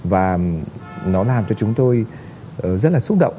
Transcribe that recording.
và nó làm cho chúng tôi rất là xúc động